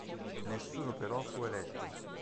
Nessuno, però, fu eletto.